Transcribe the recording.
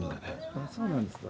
あそうなんですか。